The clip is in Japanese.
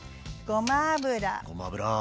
ごま油。